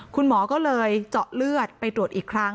คุณหมอก็เลยเจาะเลือดไปตรวจอีกครั้ง